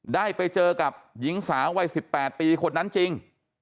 ได้ไปเจอกับหญิงสาววัย๑๘ปีคนนั้นจริง